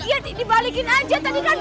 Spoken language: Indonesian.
iya dibalikin aja tadi kan